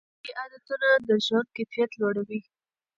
صحي عادتونه د ژوند کیفیت لوړوي.